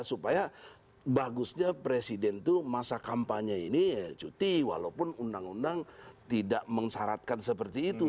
supaya bagusnya presiden itu masa kampanye ini ya cuti walaupun undang undang tidak mensyaratkan seperti itu